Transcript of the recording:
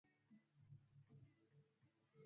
Mtakatifu, mtakatifu twakuita